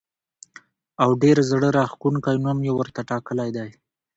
او ډېر زړه راښکونکی نوم یې ورته ټاکلی دی.